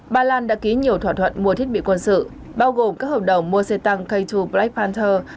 ba lan đã ký nhiều thỏa thuận mua thiết bị quân sự bao gồm các hợp đồng mua xe tăng k hai black panther